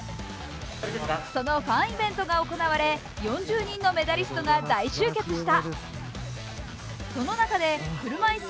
そのファンイベントが行われ４０人のメダリストが大集結した。